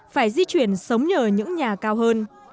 phải di chuyển sống nhờ những nhà cao hơn